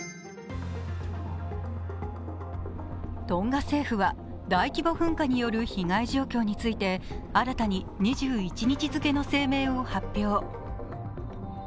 トンガ政府は、大規模噴火による被害状況について、新たに２１日付の声明を発表。